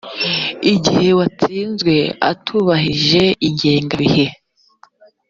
gihe uwatsinzwe atubahirije ingengabihe